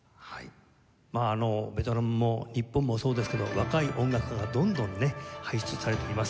まあベトナムも日本もそうですけど若い音楽家がどんどんね輩出されています。